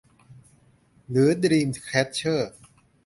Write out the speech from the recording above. หรือดรีมแคชเชอร์